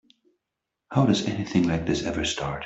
How does anything like this ever start?